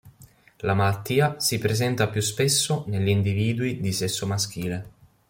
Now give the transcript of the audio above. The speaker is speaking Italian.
La malattia si presenta più spesso negli individui di sesso maschile.